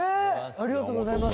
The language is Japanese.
ありがとうございます。